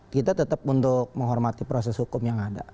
kita tetap untuk menghormati proses hukum yang ada